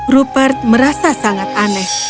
rupert merasa sangat aneh